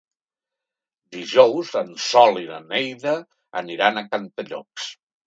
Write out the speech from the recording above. Dijous en Sol i na Neida aniran a Cantallops.